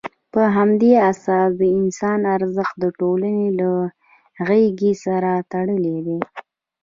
په همدې اساس، د انسان ارزښت د ټولنې له غېږې سره تړلی دی.